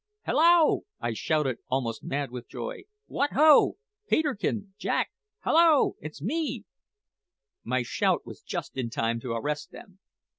"Hallo!" I shouted, almost mad with joy. "What ho! Peterkin! Jack! hallo! it's me!" My shout was just in time to arrest them.